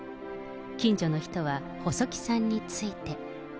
近所の人は細木さんについて。